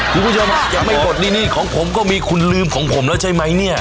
คุณผู้ชมยังไม่ปลดหนี้ของผมก็มีคุณลืมของผมแล้วใช่ไหมเนี่ย